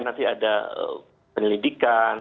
nanti ada penelitikan